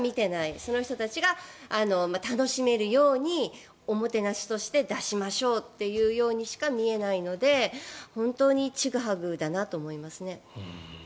その人たちが楽しめるようにおもてなしとして出しましょうとしか見えないので、本当にちぐはぐだなと思いますね。